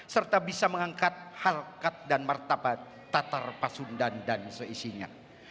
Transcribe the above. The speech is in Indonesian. serta bisa mengangkat harkat dan martabat tatar pasundan dan seisinya